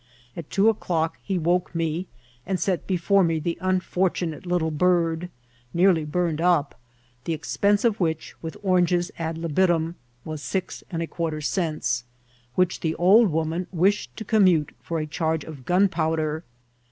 At two o'clock he woke me, and set before me the unfortunate Uttle bird, nearly burned up, the expense of which, with oranges ad libitum, was six and a quarter cents, which the old woman wished to commute for a charge of gunpowder.